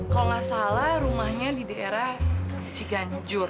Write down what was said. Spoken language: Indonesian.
kalau nggak salah rumahnya di daerah ciganjur